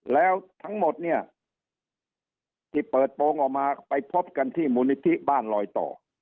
แล้วทั้งหมดเนี่ยที่เปิดโปรงออกมาไปพบกันที่มูลนิธิบ้านลอยต่อ